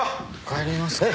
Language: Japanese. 帰りますか。